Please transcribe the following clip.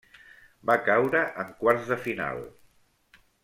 Va caure en quarts de final.